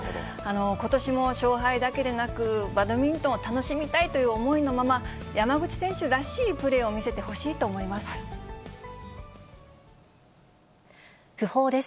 ことしも勝敗だけでなく、バドミントンを楽しみたいという思いのまま、山口選手らしいプレーを見せてほしいと思います。